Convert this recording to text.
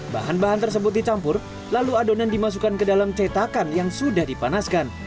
bahan bahan tersebut dicampur lalu adonan dimasukkan ke dalam cetakan yang sudah dipanaskan